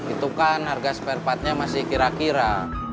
itu kan harga spare partnya masih kira kira